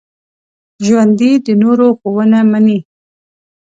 ژوندي د نورو ښوونه مني